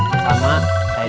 sekarang kita gak bisa berjalan